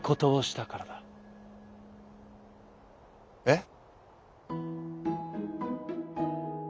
「えっ」。